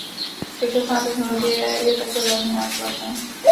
Současná technologie je také velmi nákladná.